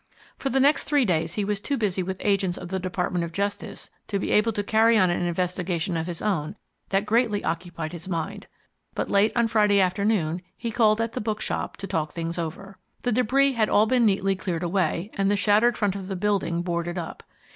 For the next three days he was too busy with agents of the Department of Justice to be able to carry on an investigation of his own that greatly occupied his mind. But late on Friday afternoon he called at the bookshop to talk things over. The debris had all been neatly cleared away, and the shattered front of the building boarded up.